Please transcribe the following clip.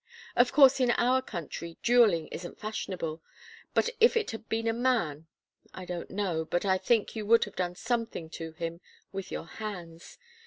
Of course, in our country, duelling isn't fashionable but if it had been a man I don't know, but I think you would have done something to him with your hands.